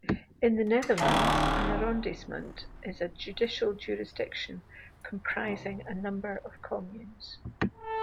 In the Netherlands an "arrondissement" is a judicial jurisdiction, comprising a number of communes.